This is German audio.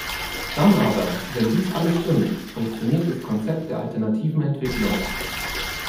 Dann aber, wenn dies alles stimmt, funktioniert das Konzept der alternativen Entwicklung.